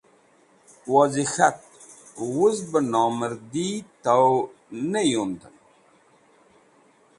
Wozi k̃hat: “Wuz beh nomardi taw neh yundem.”